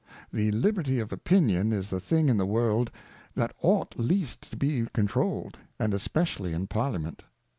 The Liberty of Opinion is the thing in the World that ought least to be controU'd, and especially in Parliament.